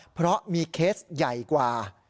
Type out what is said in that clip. เพราะมีเคสใหญ่กว่า